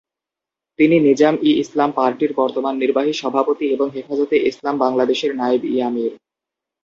তিনি নিজাম-ই-ইসলাম পার্টির বর্তমান নির্বাহী সভাপতি এবং হেফাজতে ইসলাম বাংলাদেশের নায়েব-ই-আমীর।